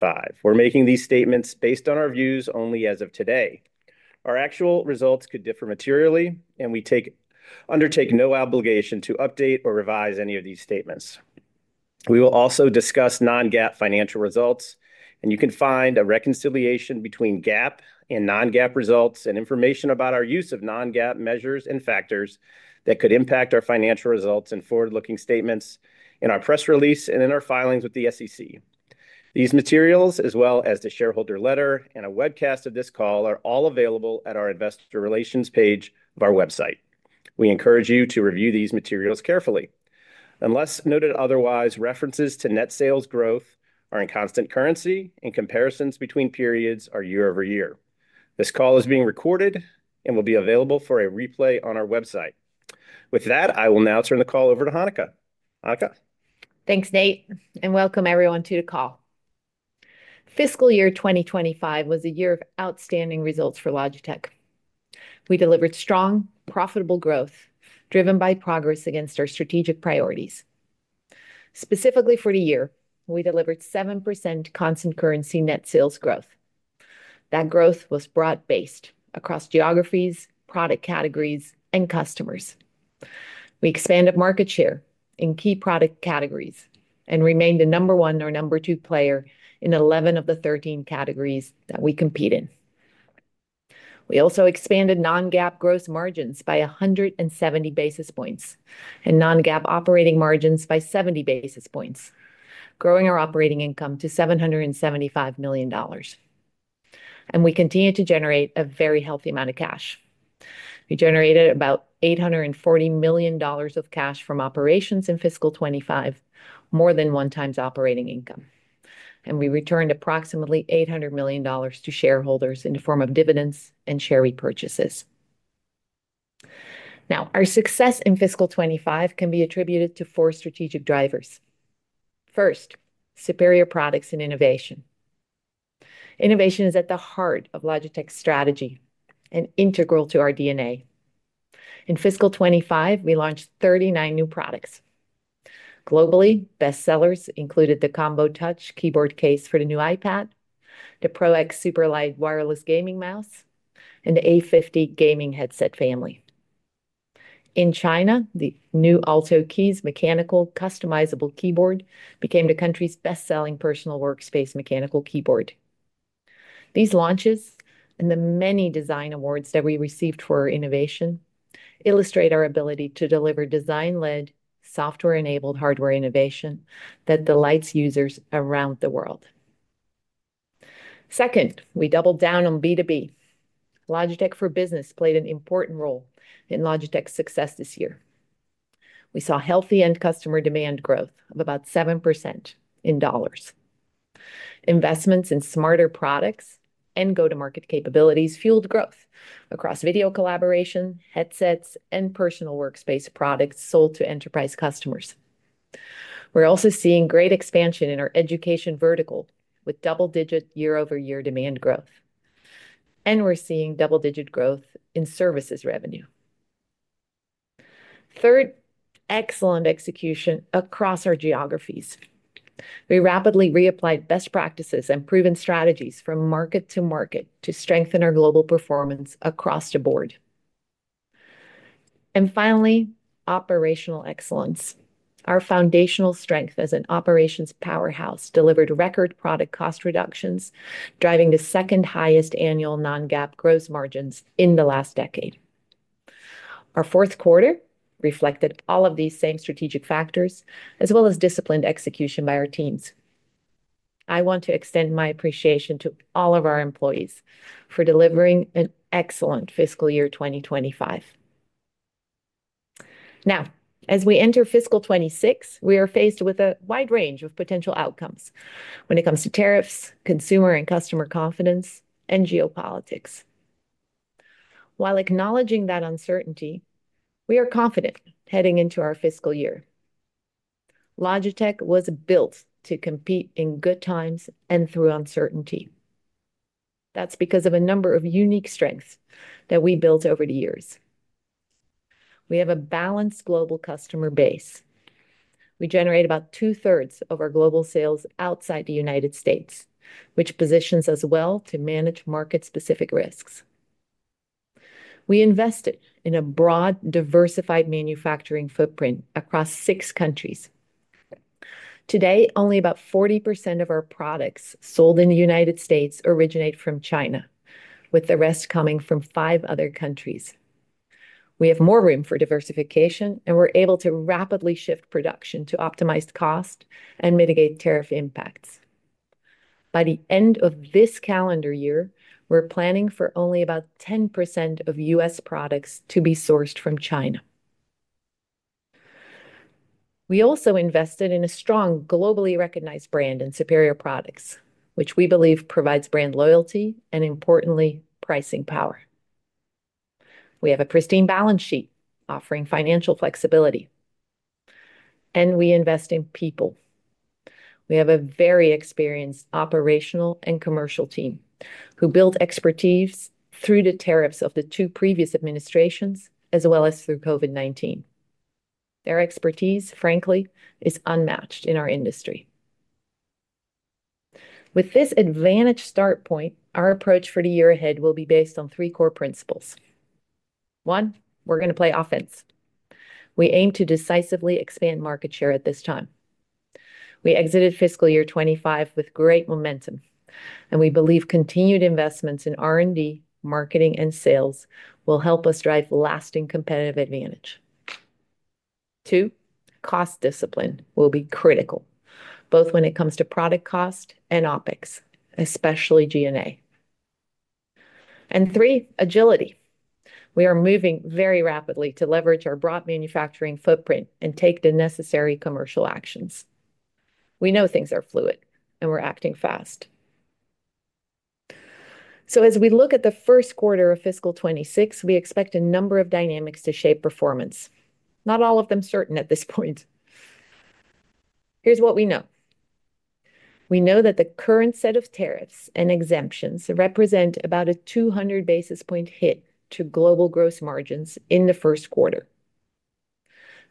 Five. We're making these statements based on our views only as of today. Our actual results could differ materially, and we undertake no obligation to update or revise any of these statements. We will also discuss non-GAAP financial results, and you can find a reconciliation between GAAP and non-GAAP results and information about our use of non-GAAP measures and factors that could impact our financial results and forward-looking statements in our press release and in our filings with the SEC. These materials, as well as the shareholder letter and a webcast of this call, are all available at our Investor Relations page of our website. We encourage you to review these materials carefully. Unless noted otherwise, references to net sales growth are in constant currency and comparisons between periods are year over year. This call is being recorded and will be available for a replay on our website. With that, I will now turn the call over to Hanneke. Hanneke. Thanks, Nate, and welcome everyone to the call. Fiscal year 2025 was a year of outstanding results for Logitech. We delivered strong, profitable growth driven by progress against our strategic priorities. Specifically for the year, we delivered 7% constant currency net sales growth. That growth was broad-based across geographies, product categories, and customers. We expanded market share in key product categories and remained the number one or number two player in 11 of the 13 categories that we compete in. We also expanded non-GAAP gross margins by 170 basis points and non-GAAP operating margins by 70 basis points, growing our operating income to $775 million. We continue to generate a very healthy amount of cash. We generated about $840 million of cash from operations in fiscal 2025, more than one times operating income. We returned approximately $800 million to shareholders in the form of dividends and share repurchases. Now, our success in fiscal 2025 can be attributed to four strategic drivers. First, superior products and innovation. Innovation is at the heart of Logitech's strategy and integral to our DNA. In fiscal 2025, we launched 39 new products. Globally, bestsellers included the Combo Touch Keyboard Case for the new iPad, the Pro X Superlight Wireless Gaming Mouse, and the A50 gaming headset family. In China, the new Alto Keys mechanical customizable keyboard became the country's best-selling personal workspace mechanical keyboard. These launches and the many design awards that we received for our innovation illustrate our ability to deliver design-led, software-enabled hardware innovation that delights users around the world. Second, we doubled down on B2B. Logitech for Business played an important role in Logitech's success this year. We saw healthy end customer demand growth of about 7% in dollars. Investments in smarter products and go-to-market capabilities fueled growth across video collaboration, headsets, and personal workspace products sold to enterprise customers. We are also seeing great expansion in our education vertical with double-digit year-over-year demand growth. We are seeing double-digit growth in services revenue. Third, excellent execution across our geographies. We rapidly reapplied best practices and proven strategies from market to market to strengthen our global performance across the board. Finally, operational excellence. Our foundational strength as an operations powerhouse delivered record product cost reductions, driving the second highest annual non-GAAP gross margins in the last decade. Our fourth quarter reflected all of these same strategic factors, as well as disciplined execution by our teams. I want to extend my appreciation to all of our employees for delivering an excellent fiscal year 2025. Now, as we enter fiscal 2026, we are faced with a wide range of potential outcomes when it comes to tariffs, consumer and customer confidence, and geopolitics. While acknowledging that uncertainty, we are confident heading into our fiscal year. Logitech was built to compete in good times and through uncertainty. That is because of a number of unique strengths that we built over the years. We have a balanced global customer base. We generate about two-thirds of our global sales outside the United States, which positions us well to manage market-specific risks. We invested in a broad, diversified manufacturing footprint across six countries. Today, only about 40% of our products sold in the United States originate from China, with the rest coming from five other countries. We have more room for diversification, and we are able to rapidly shift production to optimize cost and mitigate tariff impacts. By the end of this calendar year, we're planning for only about 10% of U.S. products to be sourced from China. We also invested in a strong, globally recognized brand and superior products, which we believe provides brand loyalty and, importantly, pricing power. We have a pristine balance sheet offering financial flexibility. We invest in people. We have a very experienced operational and commercial team who built expertise through the tariffs of the two previous administrations, as well as through COVID-19. Their expertise, frankly, is unmatched in our industry. With this advantage start point, our approach for the year ahead will be based on three core principles. One, we're going to play offense. We aim to decisively expand market share at this time. We exited fiscal year 2025 with great momentum, and we believe continued investments in R&D, marketing, and sales will help us drive lasting competitive advantage. Two, cost discipline will be critical, both when it comes to product cost and OpEx, especially G&A. Three, agility. We are moving very rapidly to leverage our broad manufacturing footprint and take the necessary commercial actions. We know things are fluid, and we're acting fast. As we look at the first quarter of fiscal 2026, we expect a number of dynamics to shape performance. Not all of them are certain at this point. Here's what we know. We know that the current set of tariffs and exemptions represent about a 200 basis point hit to global gross margins in the first quarter.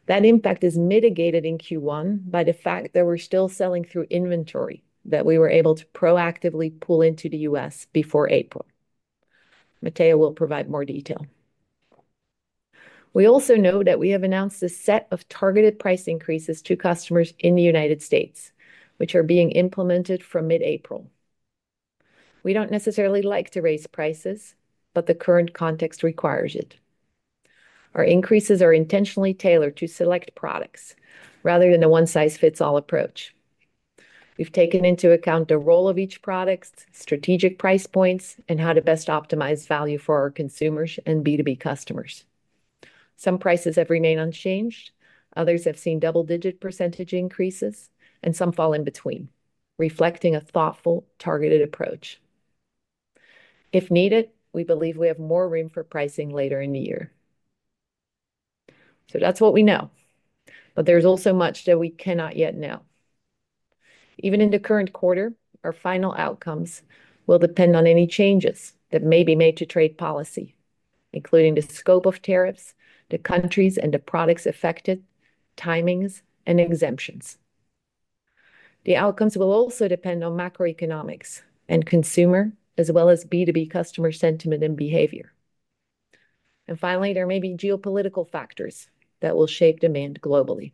That impact is mitigated in Q1 by the fact that we're still selling through inventory that we were able to proactively pull into the U.S. before April. Matteo will provide more detail. We also know that we have announced a set of targeted price increases to customers in the United States, which are being implemented from mid-April. We do not necessarily like to raise prices, but the current context requires it. Our increases are intentionally tailored to select products rather than a one-size-fits-all approach. We have taken into account the role of each product, strategic price points, and how to best optimize value for our consumers and B2B customers. Some prices have remained unchanged. Others have seen double-digit % increases, and some fall in between, reflecting a thoughtful, targeted approach. If needed, we believe we have more room for pricing later in the year. That is what we know. There is also much that we cannot yet know. Even in the current quarter, our final outcomes will depend on any changes that may be made to trade policy, including the scope of tariffs, the countries, and the products affected, timings, and exemptions. The outcomes will also depend on macroeconomics and consumer, as well as B2B customer sentiment and behavior. Finally, there may be geopolitical factors that will shape demand globally.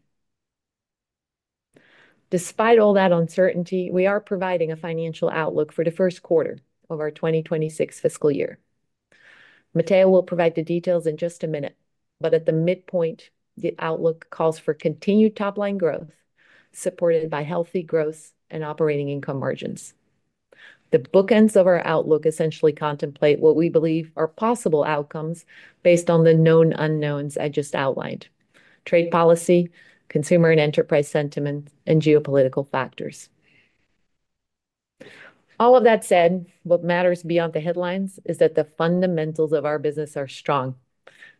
Despite all that uncertainty, we are providing a financial outlook for the first quarter of our 2026 fiscal year. Matteo will provide the details in just a minute, but at the midpoint, the outlook calls for continued top-line growth supported by healthy gross and operating income margins. The bookends of our outlook essentially contemplate what we believe are possible outcomes based on the known unknowns I just outlined: trade policy, consumer and enterprise sentiment, and geopolitical factors. All of that said, what matters beyond the headlines is that the fundamentals of our business are strong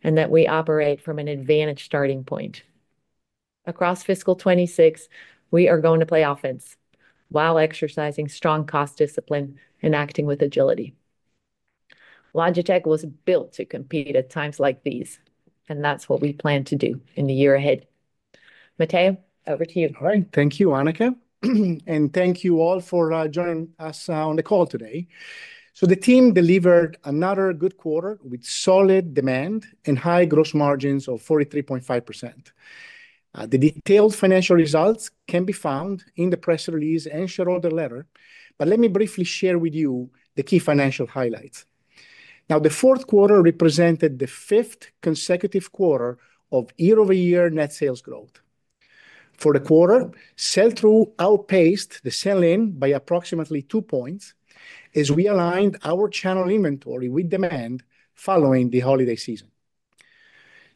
and that we operate from an advantage starting point. Across fiscal 2026, we are going to play offense while exercising strong cost discipline and acting with agility. Logitech was built to compete at times like these, and that's what we plan to do in the year ahead. Matteo, over to you. All right. Thank you, Hanneke. Thank you all for joining us on the call today. The team delivered another good quarter with solid demand and high gross margins of 43.5%. The detailed financial results can be found in the press release and shareholder letter, but let me briefly share with you the key financial highlights. The fourth quarter represented the fifth consecutive quarter of year-over-year net sales growth. For the quarter, sell-through outpaced the sell-in by approximately two points as we aligned our channel inventory with demand following the holiday season.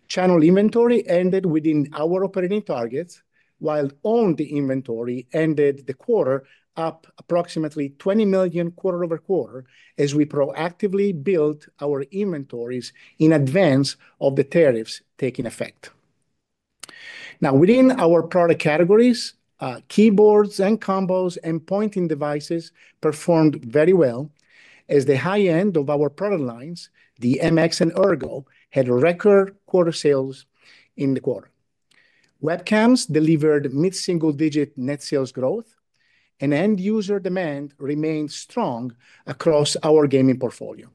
Channel inventory ended within our operating targets, while owned inventory ended the quarter up approximately $20 million quarter-over-quarter as we proactively built our inventories in advance of the tariffs taking effect. Now, within our product categories, keyboards and combos and pointing devices performed very well as the high-end of our product lines, the MX and Ergo, had record quarter sales in the quarter. Webcams delivered mid-single-digit net sales growth, and end-user demand remained strong across our gaming portfolio.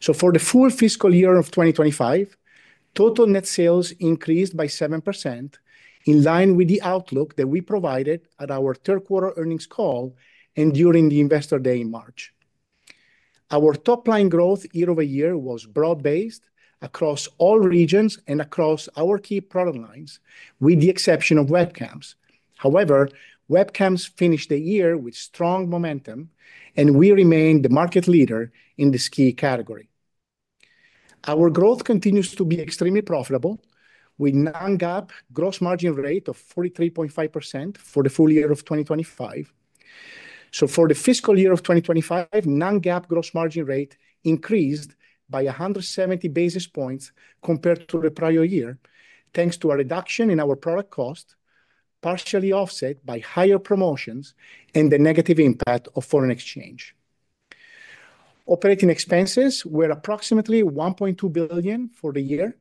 For the full fiscal year of 2025, total net sales increased by 7% in line with the outlook that we provided at our third quarter earnings call and during the Investor Day in March. Our top-line growth year-over-year was broad-based across all regions and across our key product lines, with the exception of webcams. However, webcams finished the year with strong momentum, and we remained the market leader in this key category. Our growth continues to be extremely profitable with non-GAAP gross margin rate of 43.5% for the full year of 2025. For the fiscal year of 2025, non-GAAP gross margin rate increased by 170 basis points compared to the prior year, thanks to a reduction in our product cost, partially offset by higher promotions and the negative impact of foreign exchange. Operating expenses were approximately $1.2 billion for the year,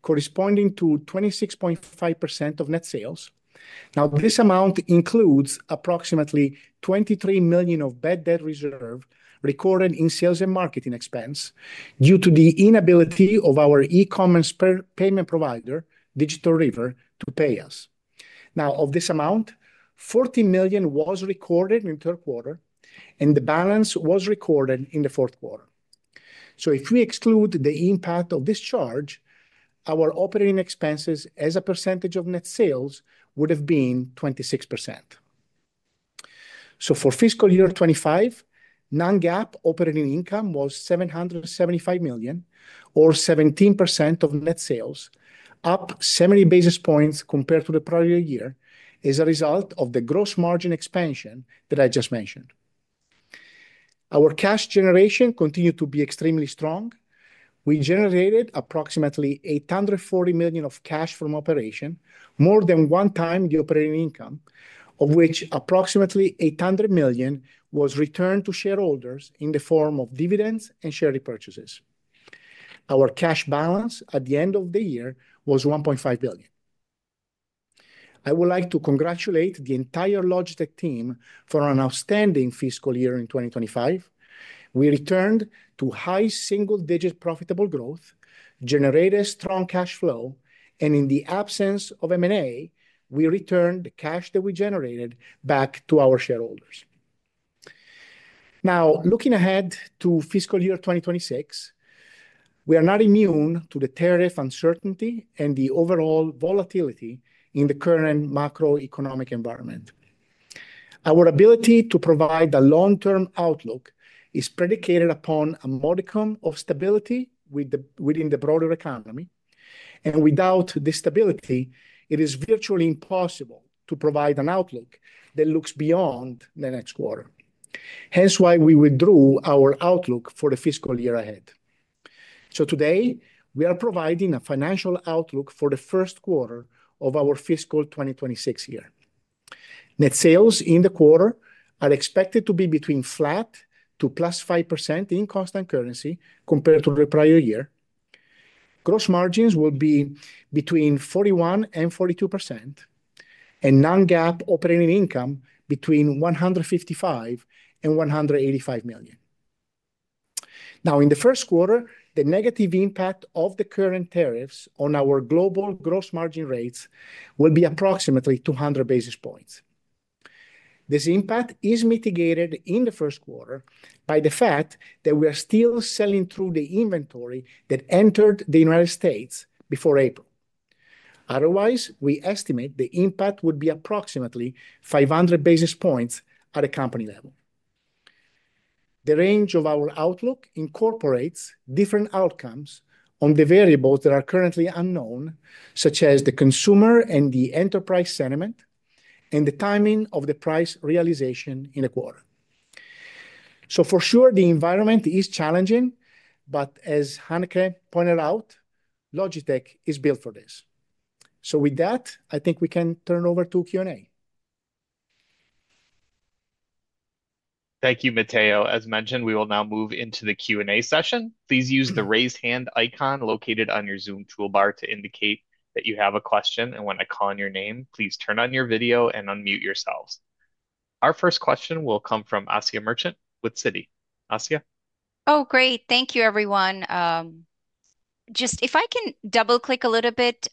corresponding to 26.5% of net sales. This amount includes approximately $23 million of bad debt reserve recorded in sales and marketing expense due to the inability of our e-commerce payment provider, Digital River, to pay us. Of this amount, $40 million was recorded in the third quarter, and the balance was recorded in the fourth quarter. If we exclude the impact of this charge, our operating expenses as a percentage of net sales would have been 26%. For fiscal year 2025, non-GAAP operating income was $775 million, or 17% of net sales, up 70 basis points compared to the prior year as a result of the gross margin expansion that I just mentioned. Our cash generation continued to be extremely strong. We generated approximately $840 million of cash from operation, more than one time the operating income, of which approximately $800 million was returned to shareholders in the form of dividends and share repurchases. Our cash balance at the end of the year was $1.5 billion. I would like to congratulate the entire Logitech team for an outstanding fiscal year in 2025. We returned to high single-digit profitable growth, generated strong cash flow, and in the absence of M&A, we returned the cash that we generated back to our shareholders. Now, looking ahead to fiscal year 2026, we are not immune to the tariff uncertainty and the overall volatility in the current macroeconomic environment. Our ability to provide a long-term outlook is predicated upon a modicum of stability within the broader economy. Without this stability, it is virtually impossible to provide an outlook that looks beyond the next quarter. Hence why we withdrew our outlook for the fiscal year ahead. Today, we are providing a financial outlook for the first quarter of our fiscal 2026 year. Net sales in the quarter are expected to be between flat to +5% in constant currency compared to the prior year. Gross margins will be between 41%-42%, and non-GAAP operating income between $155 million-$185 million. Now, in the first quarter, the negative impact of the current tariffs on our global gross margin rates will be approximately 200 basis points. This impact is mitigated in the first quarter by the fact that we are still selling through the inventory that entered the United States before April. Otherwise, we estimate the impact would be approximately 500 basis points at a company level. The range of our outlook incorporates different outcomes on the variables that are currently unknown, such as the consumer and the enterprise sentiment, and the timing of the price realization in the quarter. For sure, the environment is challenging, but as Hanneke pointed out, Logitech is built for this. With that, I think we can turn over to Q&A. Thank you, Matteo. As mentioned, we will now move into the Q&A session. Please use the raise hand icon located on your Zoom toolbar to indicate that you have a question. When I call in your name, please turn on your video and unmute yourselves. Our first question will come from Asiya Merchant with Citi. Asiya? Oh, great. Thank you, everyone. Just if I can double-click a little bit,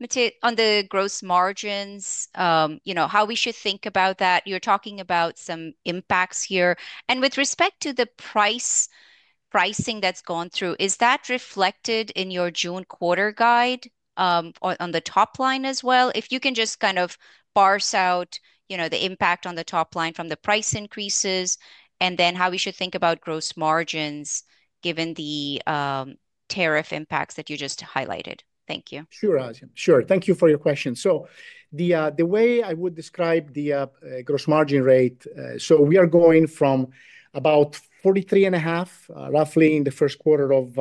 Matteo, on the gross margins, you know how we should think about that. You're talking about some impacts here. With respect to the pricing that's gone through, is that reflected in your June quarter guide on the top line as well? If you can just kind of parse out, you know, the impact on the top line from the price increases, and then how we should think about gross margins given the tariff impacts that you just highlighted. Thank you. Sure, Asiya. Sure. Thank you for your question. The way I would describe the gross margin rate, we are going from about 43.5% in the first quarter of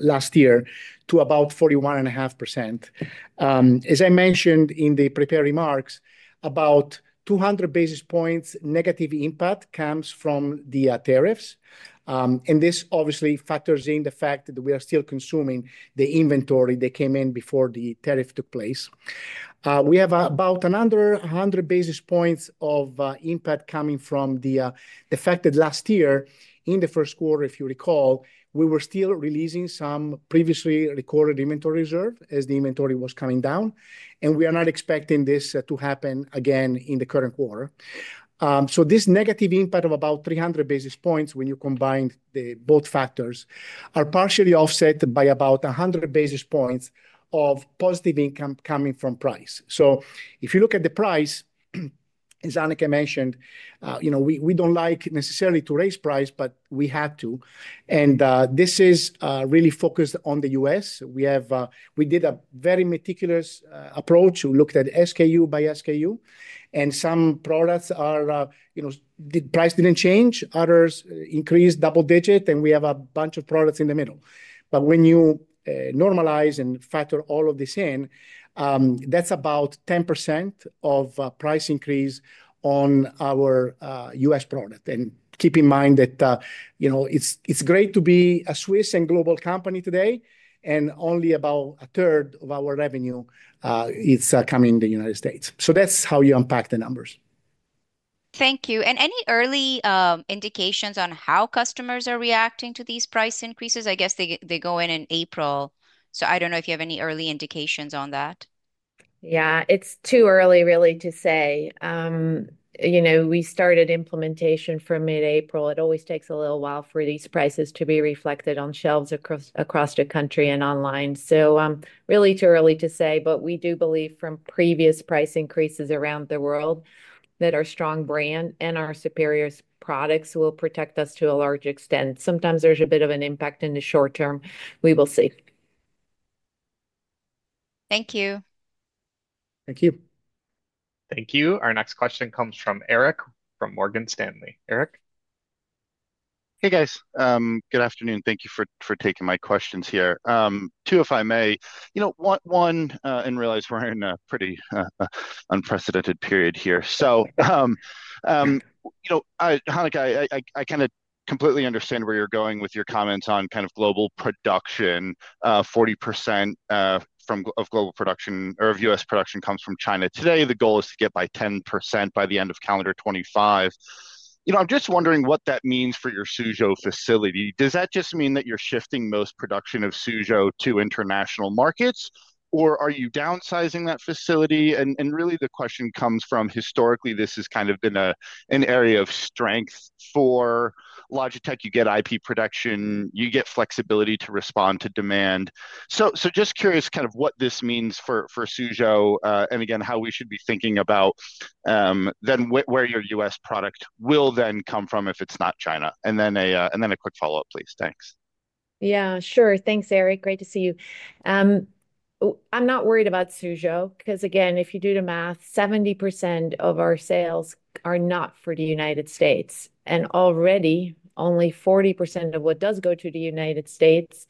last year to about 41.5%. As I mentioned in the prepared remarks, about 200 basis points negative impact comes from the tariffs. This obviously factors in the fact that we are still consuming the inventory that came in before the tariff took place. We have about another 100 basis points of impact coming from the fact that last year, in the first quarter, if you recall, we were still releasing some previously recorded inventory reserve as the inventory was coming down. We are not expecting this to happen again in the current quarter. This negative impact of about 300 basis points when you combine both factors is partially offset by about 100 basis points of positive income coming from price. If you look at the price, as Hanneke mentioned, you know, we do not like necessarily to raise price, but we had to. This is really focused on the U.S. We did a very meticulous approach. We looked at SKU by SKU. Some products, you know, the price did not change. Others increased double digits. We have a bunch of products in the middle. When you normalize and factor all of this in, that is about 10% of price increase on our U.S. product. Keep in mind that, you know, it is great to be a Swiss and global company today. Only about a third of our revenue is coming in the United States. That's how you unpack the numbers. Thank you. Any early indications on how customers are reacting to these price increases? I guess they go in in April. I do not know if you have any early indications on that. Yeah, it's too early, really, to say. You know, we started implementation from mid-April. It always takes a little while for these prices to be reflected on shelves across the country and online. Really too early to say. We do believe from previous price increases around the world that our strong brand and our superior products will protect us to a large extent. Sometimes there's a bit of an impact in the short term. We will see. Thank you. Thank you. Thank you. Our next question comes from Erik from Morgan Stanley. Erik. Hey, guys. Good afternoon. Thank you for taking my questions here. Two, if I may. You know, one, I didn't realize we're in a pretty unprecedented period here. You know, Hanneke, I kind of completely understand where you're going with your comments on kind of global production. 40% of global production or of U.S. production comes from China. Today, the goal is to get by 10% by the end of calendar 2025. You know, I'm just wondering what that means for your Suzhou facility. Does that just mean that you're shifting most production of Suzhou to international markets, or are you downsizing that facility? And really, the question comes from historically, this has kind of been an area of strength for Logitech. You get IP production. You get flexibility to respond to demand. Just curious kind of what this means for Suzhou and, again, how we should be thinking about then where your U.S. product will then come from if it's not China. A quick follow-up, please. Thanks. Yeah, sure. Thanks, Erik. Great to see you. I'm not worried about Suzhou because, again, if you do the math, 70% of our sales are not for the U.S. And already, only 40% of what does go to the U.S.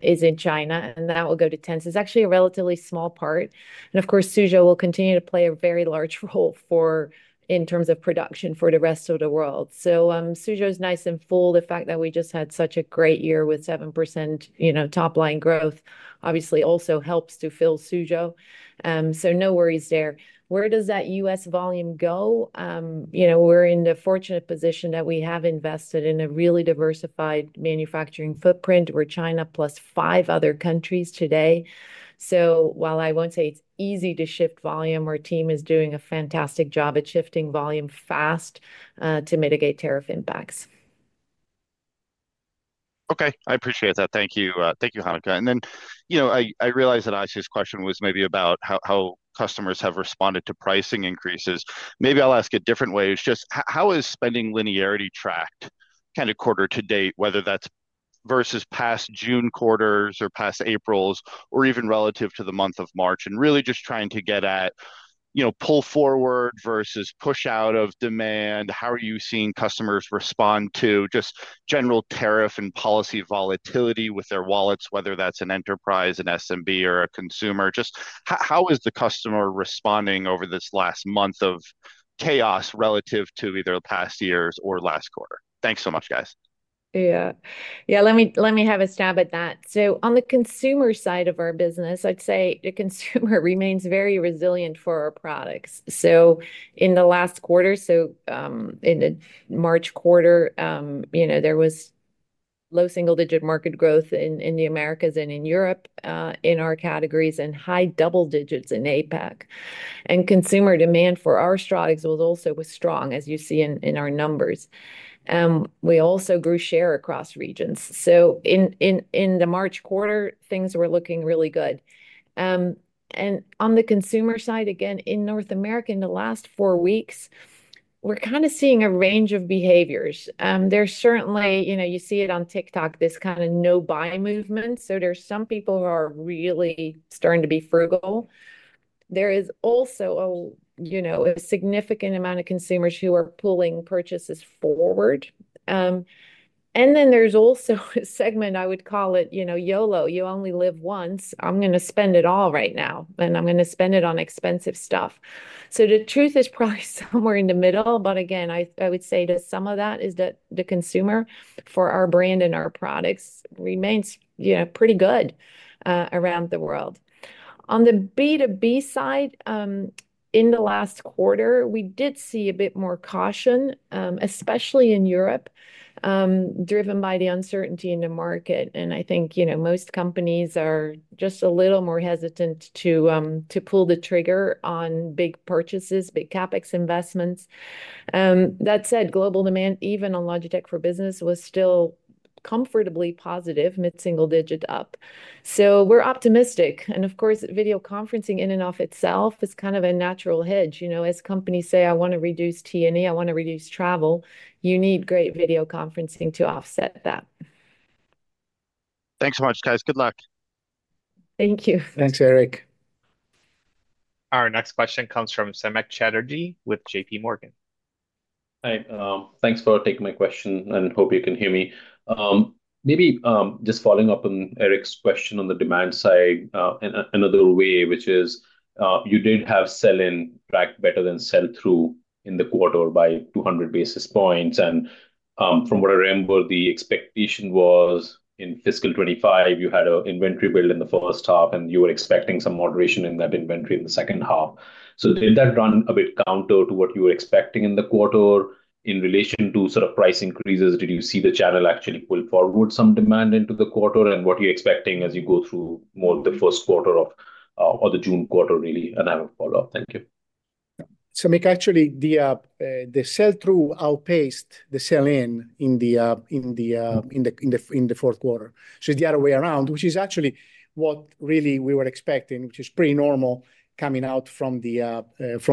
is in China. That will go to Tencent. It's actually a relatively small part. Of course, Suzhou will continue to play a very large role in terms of production for the rest of the world. Suzhou is nice and full. The fact that we just had such a great year with 7% top-line growth obviously also helps to fill Suzhou. No worries there. Where does that U.S. volume go? You know, we're in the fortunate position that we have invested in a really diversified manufacturing footprint. We're China plus five other countries today. While I won't say it's easy to shift volume, our team is doing a fantastic job at shifting volume fast to mitigate tariff impacts. Okay. I appreciate that. Thank you, Hanneke. You know, I realized that Asiya's question was maybe about how customers have responded to pricing increases. Maybe I'll ask it different ways. Just how is spending linearity tracked kind of quarter to date, whether that's versus past June quarters or past April's or even relative to the month of March? Really just trying to get at, you know, pull forward versus push out of demand. How are you seeing customers respond to just general tariff and policy volatility with their wallets, whether that's an enterprise, an SMB, or a consumer? Just how is the customer responding over this last month of chaos relative to either past years or last quarter? Thanks so much, guys. Yeah. Yeah, let me have a stab at that. On the consumer side of our business, I'd say the consumer remains very resilient for our products. In the last quarter, in the March quarter, you know, there was low single-digit market growth in the Americas and in Europe in our categories and high double digits in APAC. Consumer demand for our products was also strong, as you see in our numbers. We also grew share across regions. In the March quarter, things were looking really good. On the consumer side, again, in North America, in the last four weeks, we're kind of seeing a range of behaviors. There's certainly, you know, you see it on TikTok, this kind of no-buy movement. There's some people who are really starting to be frugal. There is also a, you know, a significant amount of consumers who are pulling purchases forward. Then there is also a segment, I would call it, you know, YOLO. You only live once. I'm going to spend it all right now. And I'm going to spend it on expensive stuff. The truth is probably somewhere in the middle. Again, I would say that some of that is that the consumer for our brand and our products remains, you know, pretty good around the world. On the B2B side, in the last quarter, we did see a bit more caution, especially in Europe, driven by the uncertainty in the market. I think, you know, most companies are just a little more hesitant to pull the trigger on big purchases, big CapEx investments. That said, global demand, even on Logitech for business, was still comfortably positive, mid-single digit up. We're optimistic. Of course, video conferencing in and of itself is kind of a natural hitch. You know, as companies say, "I want to reduce T&E. I want to reduce travel," you need great video conferencing to offset that. Thanks so much, guys. Good luck. Thank you. Thanks, Erik. Our next question comes from Samik Chatterjee with JPMorgan. Hi. Thanks for taking my question. Hope you can hear me. Maybe just following up on Erik's question on the demand side in another way, which is you did have sell-in tracked better than sell-through in the quarter by 200 basis points. From what I remember, the expectation was in fiscal 2025, you had an inventory build in the first half, and you were expecting some moderation in that inventory in the second half. Did that run a bit counter to what you were expecting in the quarter in relation to sort of price increases? Did you see the channel actually pull forward some demand into the quarter? What are you expecting as you go through more of the first quarter of, or the June quarter, really? I have a follow-up. Thank you. Mike, actually, the sell-through outpaced the sell-in in the fourth quarter. It is the other way around, which is actually what really we were expecting, which is pretty normal coming out from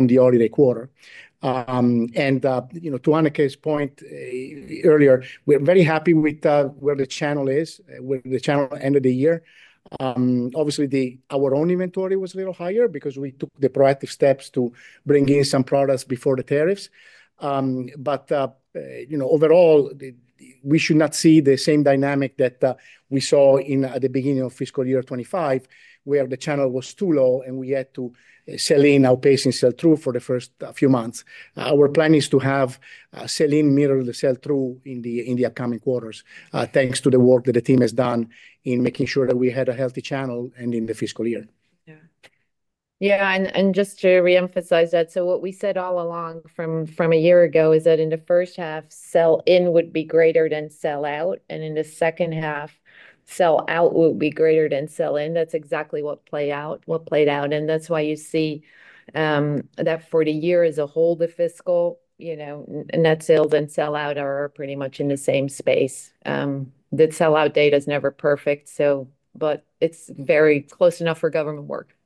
the earlier quarter. You know, to Hanneke's point earlier, we're very happy with where the channel is, where the channel ended the year. Obviously, our own inventory was a little higher because we took the proactive steps to bring in some products before the tariffs. You know, overall, we should not see the same dynamic that we saw at the beginning of fiscal year 2025, where the channel was too low and we had to sell in, outpacing sell-through for the first few months. Our plan is to have sell-in mirror the sell-through in the upcoming quarters, thanks to the work that the team has done in making sure that we had a healthy channel ending the fiscal year. Yeah. Yeah. Just to reemphasize that, what we said all along from a year ago is that in the first half, sell-in would be greater than sell-out. In the second half, sell-out would be greater than sell-in. That's exactly what played out. That is why you see that for the year as a whole, the fiscal, you know, net sales and sell-out are pretty much in the same space. The sell-out data is never perfect, but it's very close enough for government work.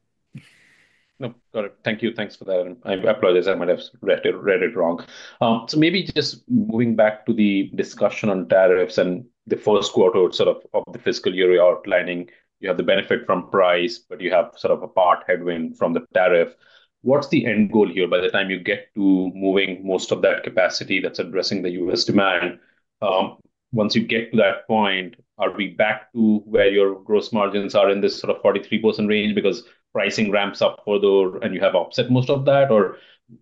No, got it. Thank you. Thanks for that. I apologize. I might have read it wrong. Maybe just moving back to the discussion on tariffs and the first quarter of the fiscal year outlining, you have the benefit from price, but you have a part headwind from the tariff. What's the end goal here by the time you get to moving most of that capacity that's addressing the U.S. demand? Once you get to that point, are we back to where your gross margins are in this 43% range because pricing ramps up further and you have offset most of that?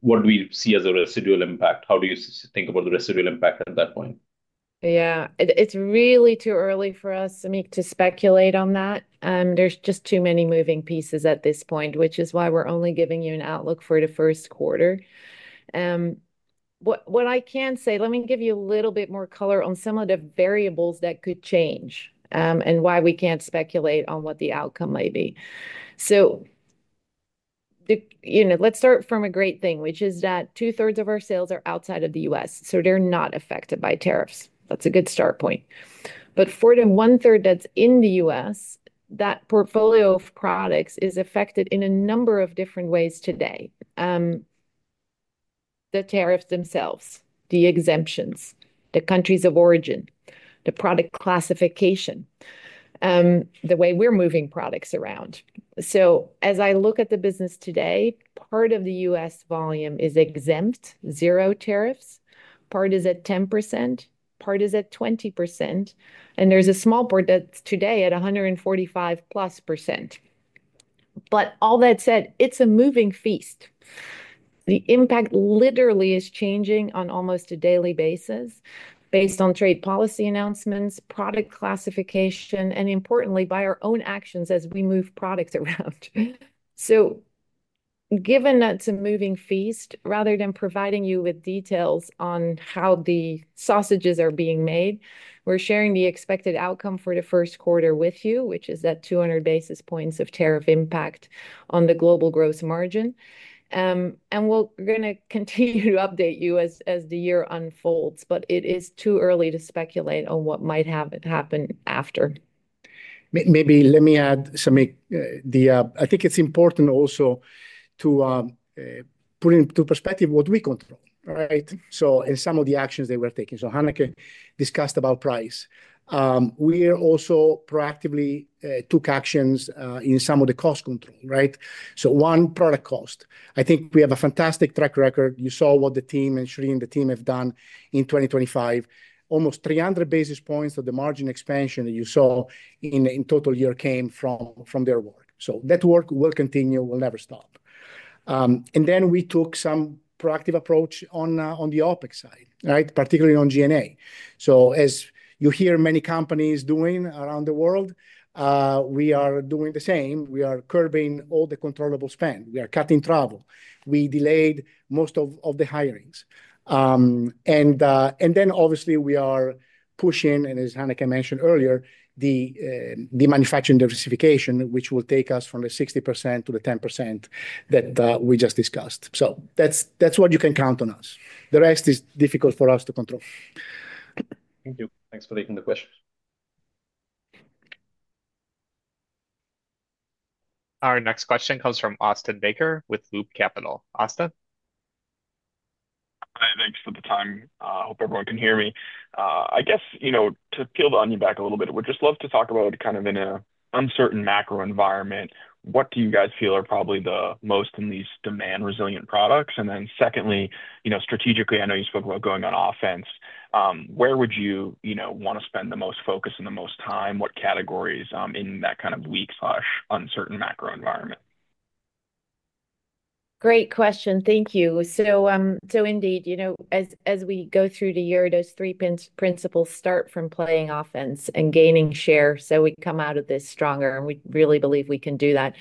What do we see as a residual impact? How do you think about the residual impact at that point? Yeah. It's really too early for us, Samik, to speculate on that. There's just too many moving pieces at this point, which is why we're only giving you an outlook for the first quarter. What I can say, let me give you a little bit more color on some of the variables that could change and why we can't speculate on what the outcome may be. You know, let's start from a great thing, which is that 2/3 of our sales are outside of the U.S. They're not affected by tariffs. That's a good start point. For the 1/3 that's in the U.S., that portfolio of products is affected in a number of different ways today: the tariffs themselves, the exemptions, the countries of origin, the product classification, the way we're moving products around. As I look at the business today, part of the U.S. Volume is exempt zero tariffs. Part is at 10%. Part is at 20%. And there's a small part that's today at 145+%. All that said, it's a moving feast. The impact literally is changing on almost a daily basis based on trade policy announcements, product classification, and importantly, by our own actions as we move products around. Given that's a moving feast, rather than providing you with details on how the sausages are being made, we're sharing the expected outcome for the first quarter with you, which is that 200 basis points of tariff impact on the global gross margin. We're going to continue to update you as the year unfolds. It is too early to speculate on what might have happened after. Maybe let me add, Samik, I think it's important also to put into perspective what we control, right? So, and some of the actions that we're taking. So, Hanneke discussed about price. We also proactively took actions in some of the cost control, right? So, one, product cost. I think we have a fantastic track record. You saw what the team and Shirin, the team have done in 2025. Almost 300 basis points of the margin expansion that you saw in total year came from their work. So, that work will continue. We'll never stop. And then we took some proactive approach on the OpEx side, right? Particularly on G&A. So, as you hear many companies doing around the world, we are doing the same. We are curbing all the controllable spend. We are cutting travel. We delayed most of the hirings. Obviously, we are pushing, and as Hanneke mentioned earlier, the manufacturing diversification, which will take us from the 60% to the 10% that we just discussed. That is what you can count on us. The rest is difficult for us to control. Thank you. Thanks for taking the question. Our next question comes from Austin Baker with Loop Capital. Austin? Hi. Thanks for the time. Hope everyone can hear me. I guess, you know, to peel the onion back a little bit, we'd just love to talk about kind of in an uncertain macro environment, what do you guys feel are probably the most and least demand-resilient products? Then secondly, you know, strategically, I know you spoke about going on offense. Where would you, you know, want to spend the most focus and the most time? What categories in that kind of weak/uncertain macro environment? Great question. Thank you. Indeed, you know, as we go through the year, those three principles start from playing offense and gaining share. We come out of this stronger. We really believe we can do that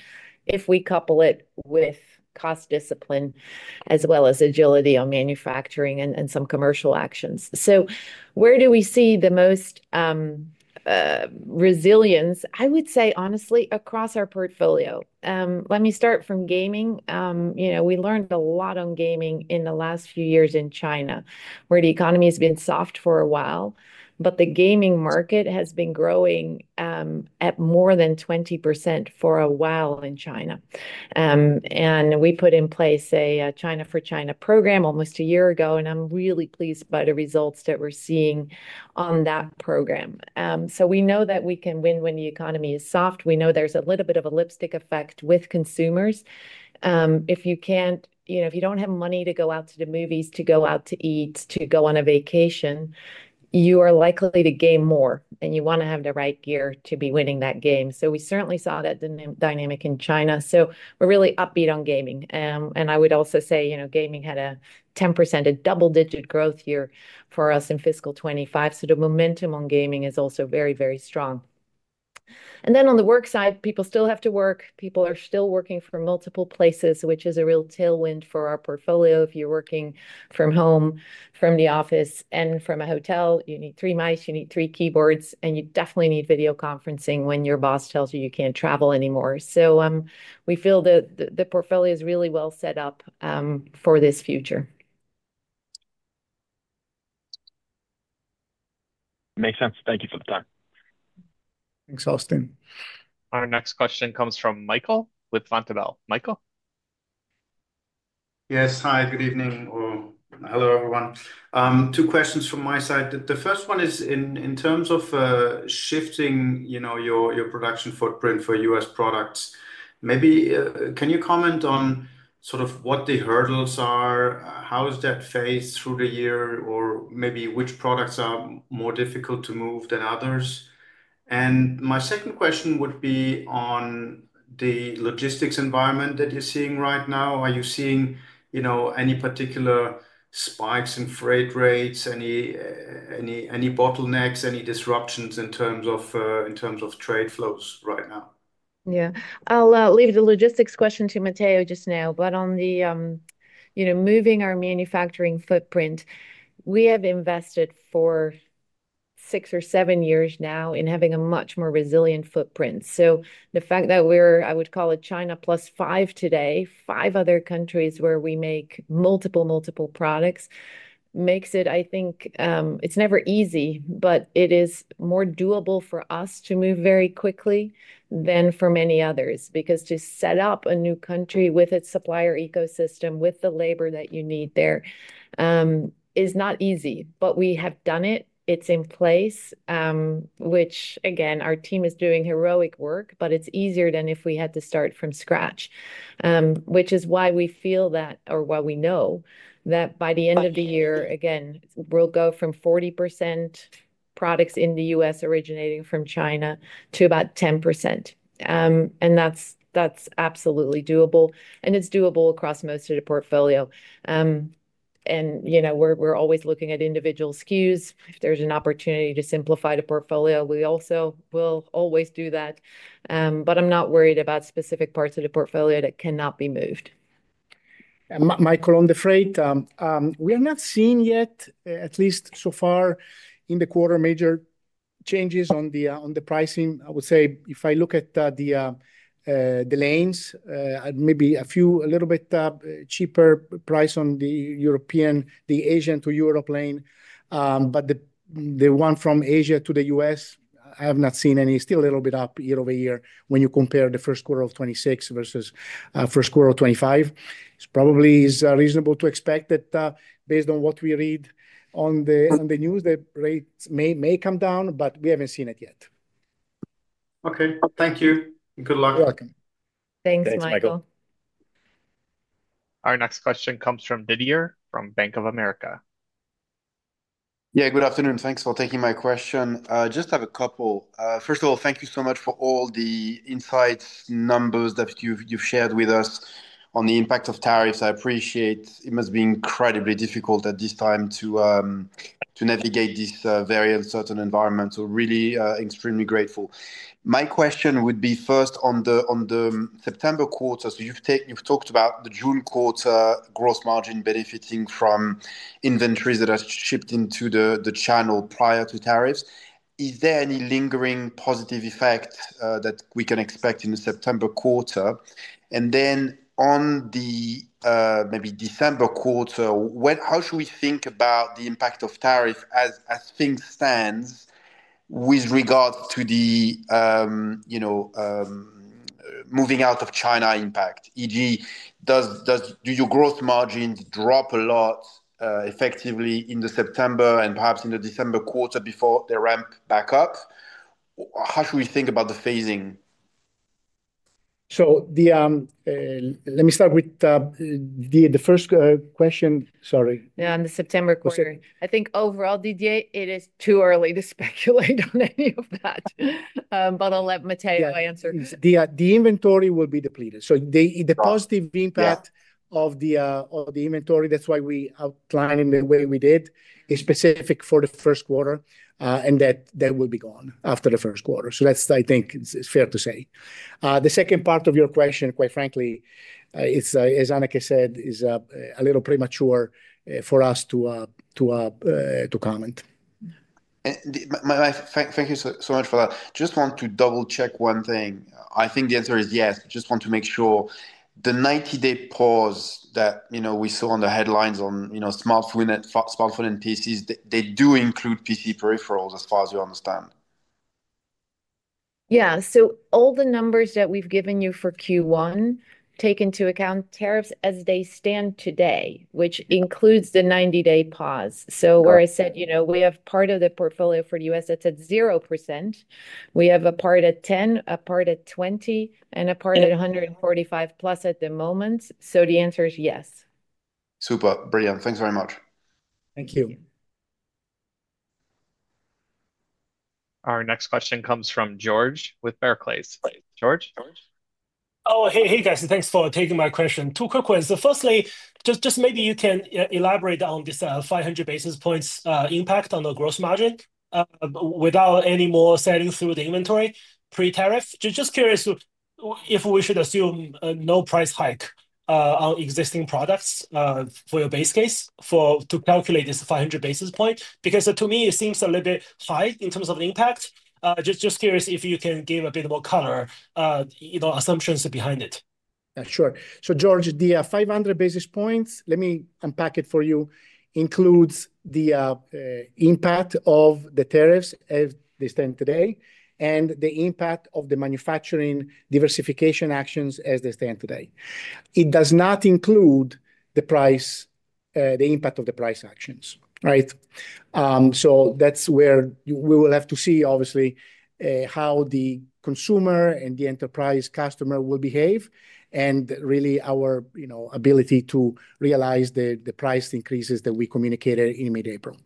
if we couple it with cost discipline as well as agility on manufacturing and some commercial actions. Where do we see the most resilience? I would say, honestly, across our portfolio. Let me start from gaming. You know, we learned a lot on gaming in the last few years in China, where the economy has been soft for a while. The gaming market has been growing at more than 20% for a while in China. We put in place a China for China program almost a year ago. I'm really pleased by the results that we're seeing on that program. We know that we can win when the economy is soft. We know there's a little bit of a lipstick effect with consumers. If you can't, you know, if you don't have money to go out to the movies, to go out to eat, to go on a vacation, you are likely to game more. And you want to have the right gear to be winning that game. We certainly saw that dynamic in China. We're really upbeat on gaming. I would also say, you know, gaming had a 10%, a double-digit growth year for us in fiscal 2025. The momentum on gaming is also very, very strong. On the work side, people still have to work. People are still working from multiple places, which is a real tailwind for our portfolio. If you're working from home, from the office, and from a hotel, you need three mice, you need three keyboards, and you definitely need video conferencing when your boss tells you you can't travel anymore. We feel that the portfolio is really well set up for this future. Makes sense. Thank you for the time. Thanks, Austin. Our next question comes from Michael with Kepler Cheuvreux. Michael. Yes. Hi. Good evening or hello, everyone. Two questions from my side. The first one is in terms of shifting, you know, your production footprint for U.S. products. Maybe can you comment on sort of what the hurdles are? How is that phased through the year? Or maybe which products are more difficult to move than others? My second question would be on the logistics environment that you're seeing right now. Are you seeing, you know, any particular spikes in freight rates, any bottlenecks, any disruptions in terms of trade flows right now? Yeah. I'll leave the logistics question to Matteo just now. On the, you know, moving our manufacturing footprint, we have invested for six or seven years now in having a much more resilient footprint. The fact that we're, I would call it China plus five today, five other countries where we make multiple, multiple products makes it, I think, it's never easy, but it is more doable for us to move very quickly than for many others because to set up a new country with its supplier ecosystem, with the labor that you need there is not easy. We have done it. It's in place, which, again, our team is doing heroic work, but it's easier than if we had to start from scratch, which is why we feel that, or why we know that by the end of the year, again, we'll go from 40% products in the U.S. originating from China to about 10%. That's absolutely doable. It's doable across most of the portfolio. You know, we're always looking at individual SKUs. If there's an opportunity to simplify the portfolio, we also will always do that. I'm not worried about specific parts of the portfolio that cannot be moved. Michael, on the freight, we are not seeing yet, at least so far, in the quarter, major changes on the pricing. I would say if I look at the lanes, maybe a few a little bit cheaper price on the European, the Asia to Europe lane. The one from Asia to the U.S., I have not seen any. It's still a little bit up year over year when you compare the first quarter of 2026 versus first quarter of 2025. It probably is reasonable to expect that based on what we read on the news, the rates may come down, but we haven't seen it yet. Okay. Thank you. Good luck. You're welcome. Thanks, Michael. Thanks, Michael. Our next question comes from Didier from Bank of America. Yeah. Good afternoon. Thanks for taking my question. Just have a couple. First of all, thank you so much for all the insights, numbers that you've shared with us on the impact of tariffs. I appreciate it must be incredibly difficult at this time to navigate this very uncertain environment. Really extremely grateful. My question would be first on the September quarter. You've talked about the June quarter gross margin benefiting from inventories that are shipped into the channel prior to tariffs. Is there any lingering positive effect that we can expect in the September quarter? On the maybe December quarter, how should we think about the impact of tariffs as things stand with regards to the, you know, moving out of China impact? E.g., do your gross margins drop a lot effectively in the September and perhaps in the December quarter before they ramp back up? How should we think about the phasing? Let me start with the first question. Sorry. Yeah. On the September quarter, I think overall, Didier, it is too early to speculate on any of that. I'll let Matteo answer. The inventory will be depleted. The positive impact of the inventory, that's why we outlined it in the way we did, is specific for the first quarter. That will be gone after the first quarter. I think that's fair to say. The second part of your question, quite frankly, as Hanneke said, is a little premature for us to comment. Thank you so much for that. Just want to double-check one thing. I think the answer is yes. Just want to make sure the 90-day pause that, you know, we saw on the headlines on, you know, smartphone and PCs, they do include PC peripherals as far as you understand. Yeah. All the numbers that we've given you for Q1 take into account tariffs as they stand today, which includes the 90-day pause. Where I said, you know, we have part of the portfolio for the U.S. that's at 0%. We have a part at 10%, a part at 20%, and a part at 145%+ at the moment. The answer is yes. Super. Brilliant. Thanks very much. Thank you. Our next question comes from George with Barclays. George. Oh, hey, guys. Thanks for taking my question. Two quick ones. Firstly, just maybe you can elaborate on this 500 basis points impact on the gross margin without any more selling through the inventory pre-tariff. Just curious if we should assume no price hike on existing products for your base case to calculate this 500 basis points because to me, it seems a little bit high in terms of impact. Just curious if you can give a bit more color, you know, assumptions behind it. Sure. George, the 500 basis points, let me unpack it for you, includes the impact of the tariffs as they stand today and the impact of the manufacturing diversification actions as they stand today. It does not include the impact of the price actions, right? That is where we will have to see, obviously, how the consumer and the enterprise customer will behave and really our, you know, ability to realize the price increases that we communicated in mid-April.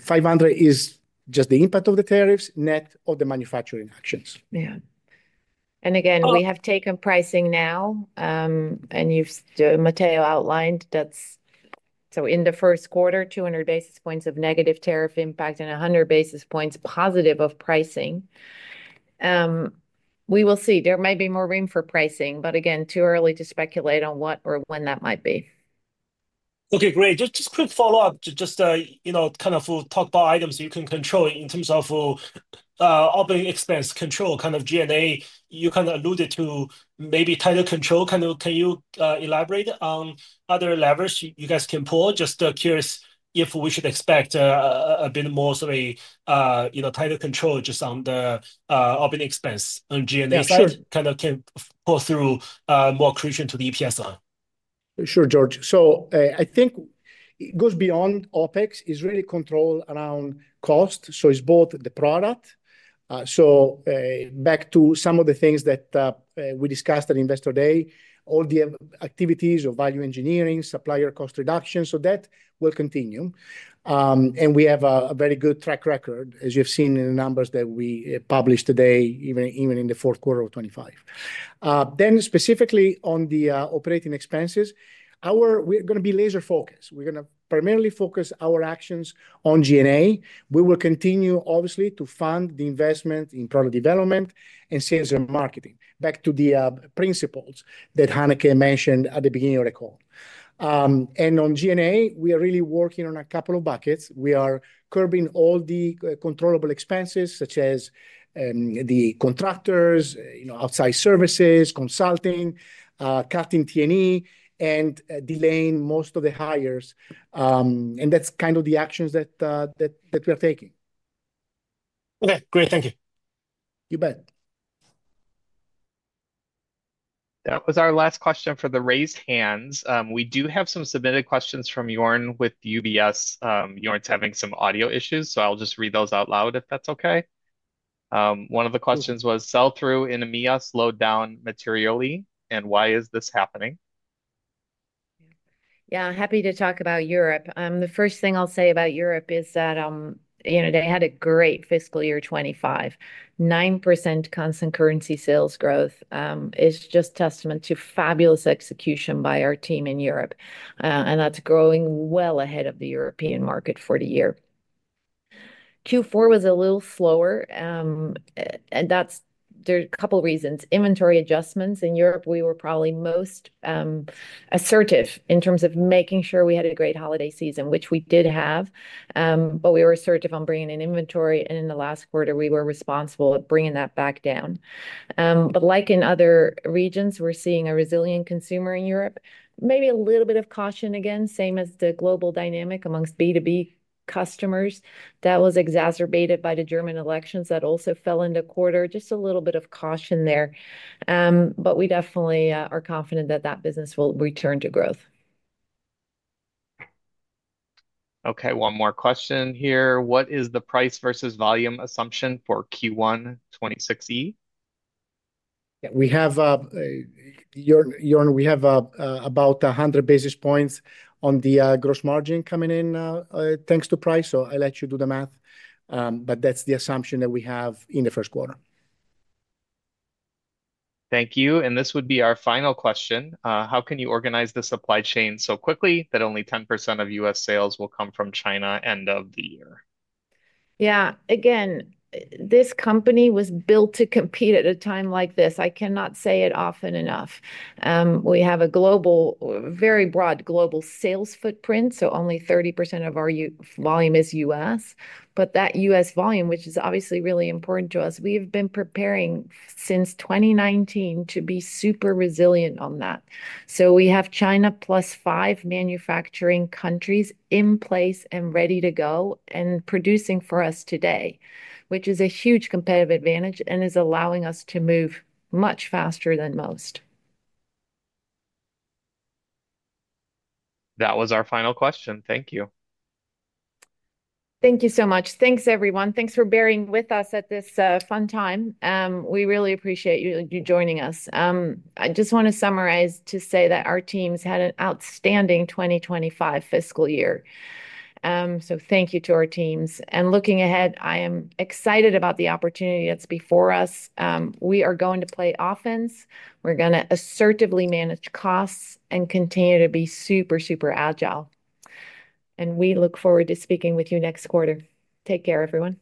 500 is just the impact of the tariffs net of the manufacturing actions. Yeah. Again, we have taken pricing now. You, Matteo, outlined that, so in the first quarter, 200 basis points of negative tariff impact and 100 basis points positive of pricing. We will see. There may be more room for pricing. Again, too early to speculate on what or when that might be. Okay. Great. Just quick follow-up to just, you know, kind of talk about items you can control in terms of operating expense control, kind of G&A. You kind of alluded to maybe tighter control. Can you elaborate on other levers you guys can pull? Just curious if we should expect a bit more sort of, you know, tighter control just on the operating expense on G&A so kind of can pull through more accretion to the EPS line. Sure, George. I think it goes beyond OpEx. It's really control around cost. It's both the product. Back to some of the things that we discussed at Investor Day, all the activities of value engineering, supplier cost reduction. That will continue. We have a very good track record, as you've seen in the numbers that we published today, even in the fourth quarter of 2025. Specifically on the operating expenses, we're going to be laser-focused. We're going to primarily focus our actions on G&A. We will continue, obviously, to fund the investment in product development and sales and marketing. Back to the principles that Hanneke mentioned at the beginning of the call. On G&A, we are really working on a couple of buckets. We are curbing all the controllable expenses, such as the contractors, you know, outside services, consulting, cutting T&E, and delaying most of the hires. That's kind of the actions that we are taking. Okay. Great. Thank you. You bet. That was our last question for the raised hands. We do have some submitted questions from Joern with UBS. Joern's having some audio issues. I will just read those out loud if that's okay. One of the questions was, "Sell through in EMEAs slowed down materially, and why is this happening? Yeah. Happy to talk about Europe. The first thing I'll say about Europe is that, you know, they had a great fiscal year 2025. 9% constant currency sales growth is just testament to fabulous execution by our team in Europe. And that's growing well ahead of the European market for the year. Q4 was a little slower. There are a couple of reasons. Inventory adjustments. In Europe, we were probably most assertive in terms of making sure we had a great holiday season, which we did have. We were assertive on bringing in inventory. In the last quarter, we were responsible at bringing that back down. Like in other regions, we're seeing a resilient consumer in Europe. Maybe a little bit of caution again, same as the global dynamic amongst B2B customers that was exacerbated by the German elections that also fell in the quarter. Just a little bit of caution there. We definitely are confident that that business will return to growth. Okay. One more question here. What is the price versus volume assumption for Q1 2026? Yeah. We have, Joern, we have about 100 basis points on the gross margin coming in thanks to price. I'll let you do the math. That is the assumption that we have in the first quarter. Thank you. This would be our final question. How can you organize the supply chain so quickly that only 10% of U.S. sales will come from China end of the year? Yeah. Again, this company was built to compete at a time like this. I cannot say it often enough. We have a very broad global sales footprint. Only 30% of our volume is U.S. That U.S. volume, which is obviously really important to us, we have been preparing since 2019 to be super resilient on that. We have China plus five manufacturing countries in place and ready to go and producing for us today, which is a huge competitive advantage and is allowing us to move much faster than most. That was our final question. Thank you. Thank you so much. Thanks, everyone. Thanks for bearing with us at this fun time. We really appreciate you joining us. I just want to summarize to say that our teams had an outstanding 2025 fiscal year. Thank you to our teams. Looking ahead, I am excited about the opportunity that's before us. We are going to play offense. We're going to assertively manage costs and continue to be super, super agile. We look forward to speaking with you next quarter. Take care, everyone.